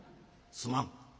「すまん。